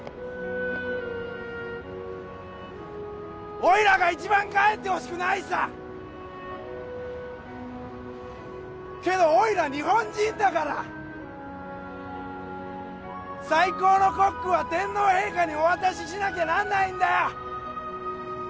おいらが一番帰ってほしくないさけどおいら日本人だから最高のコックは天皇陛下にお渡ししなきゃなんないんだよ！